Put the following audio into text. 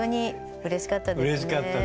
うれしかったね。